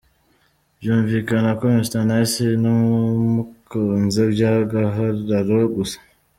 Byumvikane ko Mr Nice namukunze by’agahararo gusa.